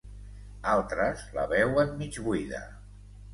Altres la veuen mig buida.